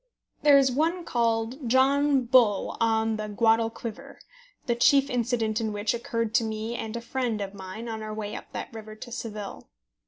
There is one called John Bull on the Guadalquivir, the chief incident in which occurred to me and a friend of mine on our way up that river to Seville.